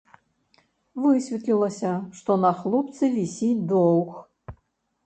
Высветлілася, што на хлопцы вісіць доўг.